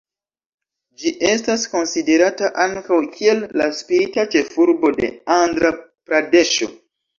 Ĝi estas konsiderata ankaŭ kiel la spirita ĉefurbo de Andra-Pradeŝo.